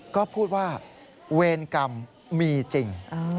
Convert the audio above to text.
ก็พูดว่าเวรกรรมมีจริง